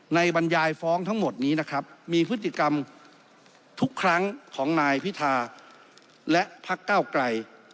บรรยายฟ้องทั้งหมดนี้นะครับมีพฤติกรรมทุกครั้งของนายพิธาและพักเก้าไกล